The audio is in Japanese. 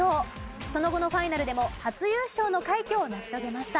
その後のファイナルでも初優勝の快挙を成し遂げました。